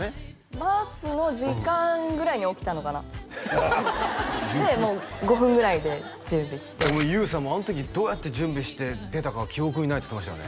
バスの時間ぐらいに起きたのかなでもう５分ぐらいで準備して優さんもあの時どうやって準備して出たか記憶にないって言ってましたよね